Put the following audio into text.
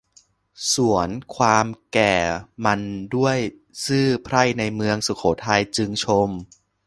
สวนความแก่มันด้วยซื่อ ไพร่ในเมืองสุโขทัยจึงชม